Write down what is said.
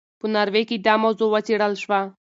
په ناروې کې دا موضوع وڅېړل شوه.